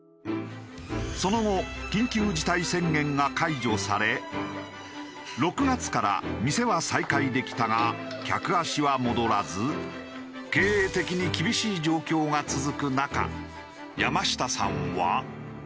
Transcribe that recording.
その後緊急事態宣言が解除され６月から店は再開できたが客足は戻らず経営的に厳しい状況が続く中山下さんは。